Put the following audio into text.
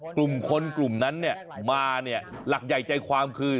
กลุ่มคนกลุ่มนั้นมาเนี่ยหลักใหญ่ใจความคือ